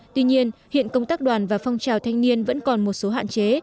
tuy nhiên hiện công tác đoàn và phong trào thanh niên vẫn còn một số hạn chế